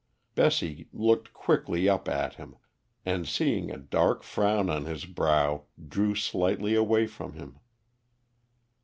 Bessie looked quickly up at him, and, seeing a dark frown on his brow, drew slightly away from him.